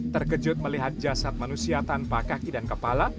terkejut melihat jasad manusia tanpa kaki dan kepala